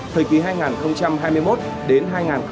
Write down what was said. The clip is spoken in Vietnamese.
thời kỳ hai nghìn hai mươi một đến hai nghìn ba mươi